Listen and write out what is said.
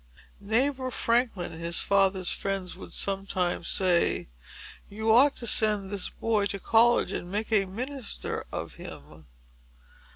"Neighbor Franklin," his father's friends would sometimes say, "you ought to send this boy to college and make a minister of him."